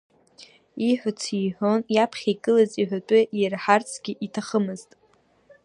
Ииҳәац иҳәон, иаԥхьа игылаз иҳәатәы иирҳарцгьы иҭахымызт.